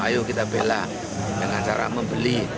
ayo kita bela dengan cara membeli